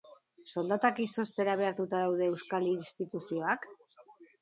Soldatak izoztera behartuta daude euskal instituzioak?